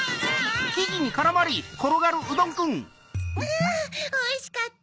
あおいしかった！